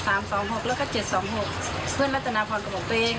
สามสองหกแล้วก็เจ็ดสองหกเพื่อนรัฐนาภรณ์ก็บอกตัวเอง